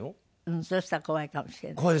うんそしたら怖いかもしれない。